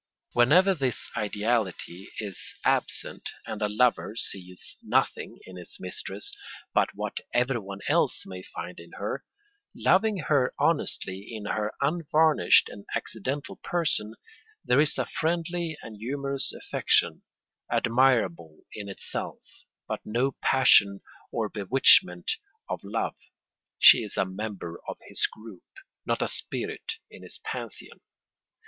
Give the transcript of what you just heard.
Whenever this ideality is absent and a lover sees nothing in his mistress but what everyone else may find in her, loving her honestly in her unvarnished and accidental person, there is a friendly and humorous affection, admirable in itself, but no passion or bewitchment of love; she is a member of his group, not a spirit in his pantheon.